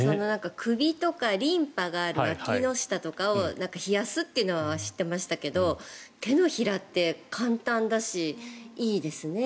首とかリンパがあるわきの下とかを冷やすというのは知ってましたけど手のひらって簡単だしいいですね。